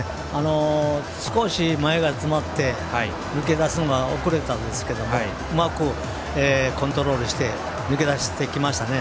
少し前が詰まって抜け出すのが遅れたんですけどもうまくコントロールして抜け出してきましたね。